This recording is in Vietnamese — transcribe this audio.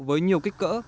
với nhiều kích cỡ